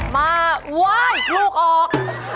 มาว้ายลูกออก